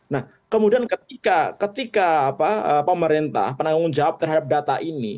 nah kemudian ketika pemerintah penanggung jawab terhadap data ini